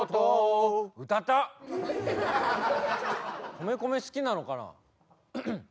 米米好きなのかな？